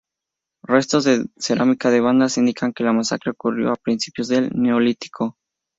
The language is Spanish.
Restos de cerámicas de bandas indican que la masacre ocurrió a principios del Neolítico.